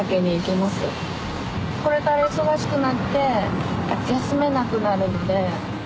これから忙しくなって休めなくなるので。